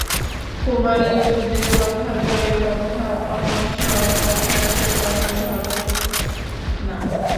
-কুমারীর যুদ্ধের কথা, জয়ের কথা, অন্য সব কথা সে তত ভাবে না।